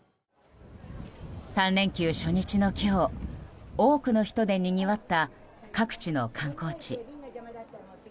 ３連休初日の今日多くの人でにぎわった各地の観光地。